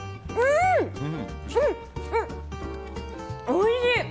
おいしい。